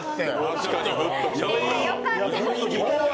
確かにグッときた。